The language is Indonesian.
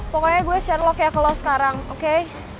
pokoknya gue sherlock ya ke law sekarang oke